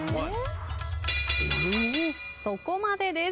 そこまでです。